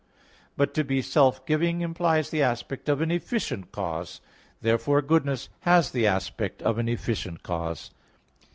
But to be self giving implies the aspect of an efficient cause. Therefore goodness has the aspect of an efficient cause.